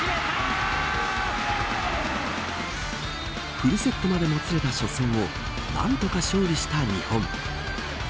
フルセットまでもつれた初戦を何とか勝利した日本。